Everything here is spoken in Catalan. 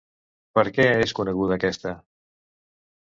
Per què és coneguda aquesta?